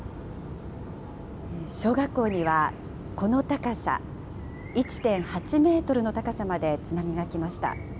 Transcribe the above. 小学校にはこの高さ、１．８メートルの高さまで津波が来ました。